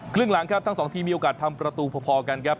ครึ่งหลังครับทั้งสองทีมมีโอกาสทำประตูพอกันครับ